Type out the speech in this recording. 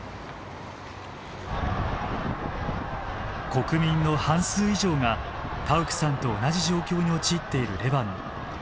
国民の半数以上がタウクさんと同じ状況に陥っているレバノン。